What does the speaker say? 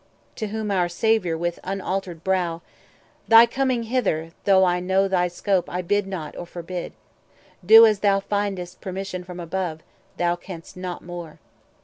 To whom our Saviour, with unaltered brow:— "Thy coming hither, though I know thy scope, I bid not, or forbid. Do as thou find'st Permission from above; thou canst not more."